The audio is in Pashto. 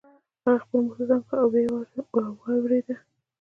هغه خپلې مور ته زنګ وواهه او ويې واورېده.